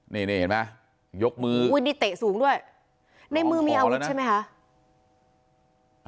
นี่นี่เห็นไหมยกมืออุ้ยนี่เตะสูงด้วยในมือมีอาวุธใช่ไหมคะ